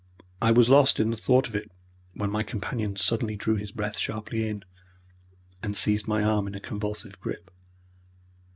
I was lost in the thought of it when my companion suddenly drew his breath sharply in, and seized my arm in a convulsive grip.